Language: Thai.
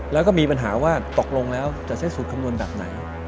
แล้วก็มีปัญหาว่าตกลงแล้วจะใช้สูตรคำนวณแบบไหน